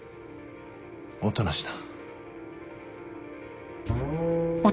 音無だ。